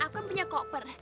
aku kan punya koper